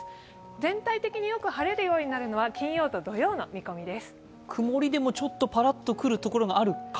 全体的によく晴れるようになるのは金曜と土曜の見込みです。